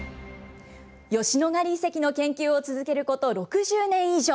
吉野ヶ里遺跡の研究を続けること６０年以上。